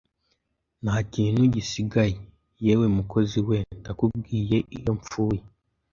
Nta kintu gisigaye? Yewe mukozi we, ndakubwiye, iyo mpfuye